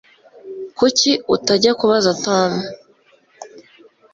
Kuki utajya kubaza Tom